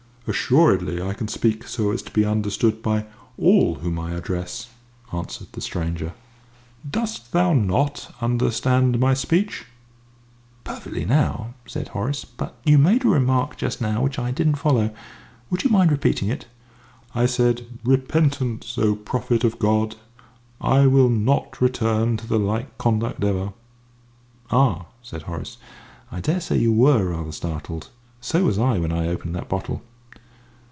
"Assuredly I can speak so as to be understood by all whom I address," answered the stranger. "Dost thou not understand my speech?" "Perfectly, now," said Horace. "But you made a remark just now which I didn't follow would you mind repeating it?" "I said: 'Repentance, O Prophet of God! I will not return to the like conduct ever.'" "Ah," said Horace. "I dare say you were rather startled. So was I when I opened that bottle."